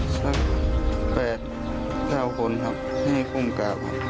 สัก๘๙คนครับไม่ให้คุ้มกลับครับ